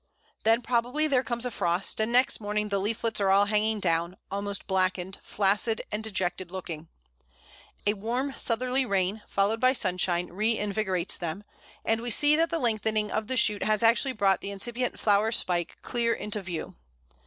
Then probably there comes a frost, and next morning the leaflets are all hanging down, almost blackened, flaccid and dejected looking. A warm southerly rain, followed by sunshine, reinvigorates them, and we see that the lengthening of the shoot has actually brought the incipient flower spike clear into view.